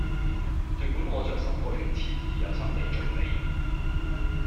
盡管我在十個月前已有心理準備